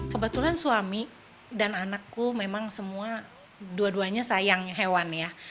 kebetulan suami dan anakku memang semua dua duanya sayang hewan ya